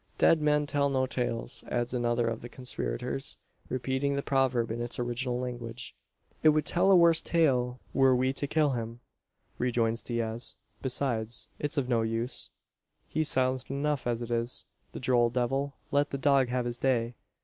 "Dead men tell no tales!" adds another of the conspirators, repeating the proverb in its original language. "It would tell a worse tale were we to kill him," rejoins Diaz. "Besides, it's of no use. He's silent enough as it is, the droll devil. Let the dog have his day.